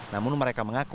namun mereka mengaku